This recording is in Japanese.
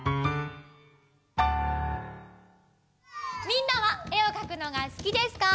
みんなはえをかくのがすきですか？